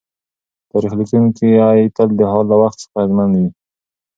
تاریخ لیکونکی تل د حال له وخت څخه اغېزمن وي.